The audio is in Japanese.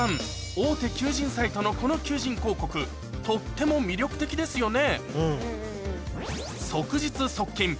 大手求人サイトのこの求人広告とっても魅力的ですよね